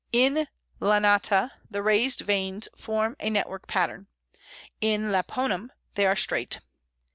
In lanata the raised veins form a network pattern; in lapponum they are straight.